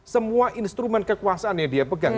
semua instrumen kekuasaan yang dia pegang